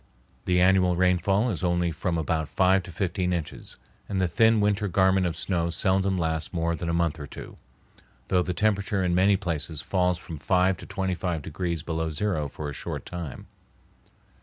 The annual rainfall is only from about five to fifteen inches, and the thin winter garment of snow seldom lasts more than a month or two, though the temperature in many places falls from five to twenty five degrees below zero for a short time.